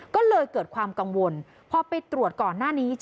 ก็เลยเกิดความกังวลพอไปตรวจก่อนหน้านี้